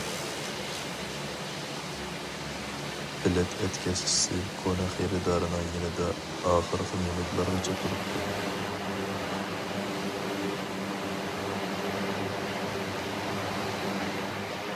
بېلەت ئەتكەسچىسى كونا خېرىدارىنىڭ يېنىدا ئاخىرقى مىنۇتلارغىچە تۇرۇپتۇ.